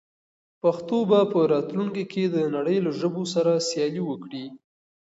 پښتو به په راتلونکي کې د نړۍ له ژبو سره سیالي وکړي.